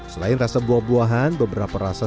selain rasa buah buahan beberapa rasa